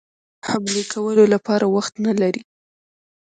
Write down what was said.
حملې کولو لپاره وخت نه لري.